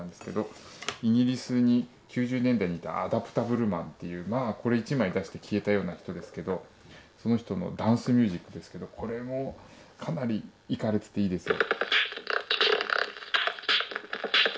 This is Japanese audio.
イギリスに９０年代にいた「アダプタブルマン」っていうこれ１枚出して消えたような人ですけどその人のダンスミュージックですけどこれもかなりイカれてていいですよ。